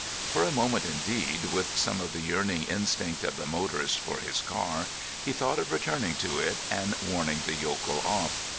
For a moment, indeed, with some of the yearning instinct of the motorist for his car, he thought of returning to it and warning the yokel off.